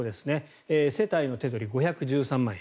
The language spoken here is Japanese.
世帯の手取り５１３万円。